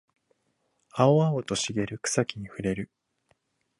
青々と茂る草木に触れる